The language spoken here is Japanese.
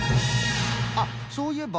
あっそういえば。